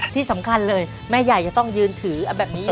ที่สำคัญเลยแม่ใหญ่จะต้องยืนถือแบบนี้